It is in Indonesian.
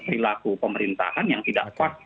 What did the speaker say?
perilaku pemerintahan yang tidak pas